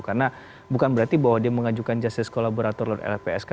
karena bukan berarti bahwa dia mengajukan justice kolaborator lpsk